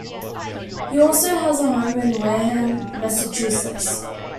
He also had a home in Wareham, Massachusetts.